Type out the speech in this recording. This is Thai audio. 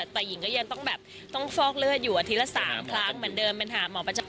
แต่หญิงก็ยังต้องแบบต้องฟอกเลือดอยู่อาทิตย์ละ๓ครั้งเหมือนเดิมเป็นหาหมอประจำ